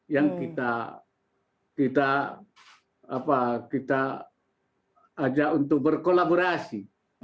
yang kita ajak untuk berkolaborasi